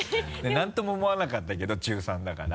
なんとも思わなかったけど中３だから。